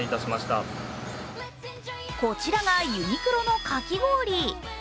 こちらが、ユニクロのかき氷。